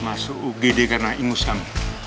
masuk ugd karena ingus kami